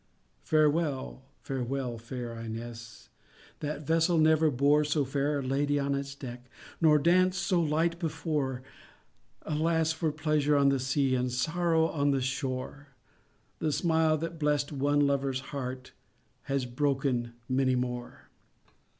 Farewell, farewell, fair Ines, That vessel never bore So fair a lady on its deck, Nor danced so light before,— Alas for pleasure on the sea, And sorrow on the shorel The smile that blest one lover's heart Has broken many more!